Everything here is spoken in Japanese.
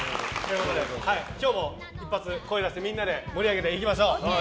今日も一発、声を出してみんなで盛り上げていきましょう。